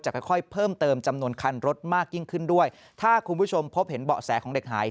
ค่อยค่อยเพิ่มเติมจำนวนคันรถมากยิ่งขึ้นด้วยถ้าคุณผู้ชมพบเห็นเบาะแสของเด็กหาย